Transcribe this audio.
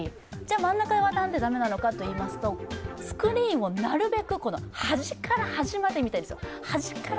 真ん中はなぜ駄目なのかといいますと、スクリーンをなるべく端から端まで見たいんですよ。